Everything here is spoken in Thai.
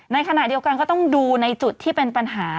ในขณะเดียวกันก็ต้องดูในจุดที่เป็นปัญหา